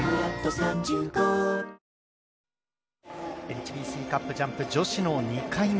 ＨＢＣカップジャンプ、女子の２回目。